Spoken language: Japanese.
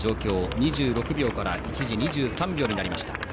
２６秒から一時、２３秒になりました。